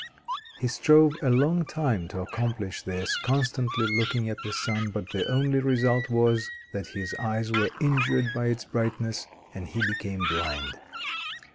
He strove a long time to accomplish this, constantly looking at the sun; but the only result was that his eyes were injured by its brightness, and he became blind.